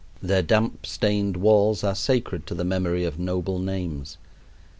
Their damp stained walls are sacred to the memory of noble names.